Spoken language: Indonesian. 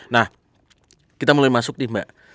nah kita mulai masuk nih mbak